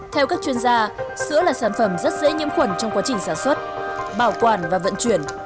theo các chuyên gia sữa là sản phẩm rất dễ nhiễm khuẩn trong quá trình sản xuất bảo quản và vận chuyển